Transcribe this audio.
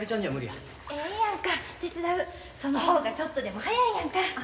その方がちょっとでも早いやんか。